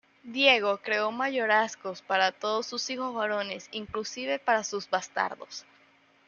Diego creó mayorazgos para todos sus hijos varones, inclusive para sus bastardos.